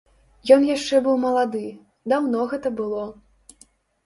Ён яшчэ быў малады, даўно гэта было.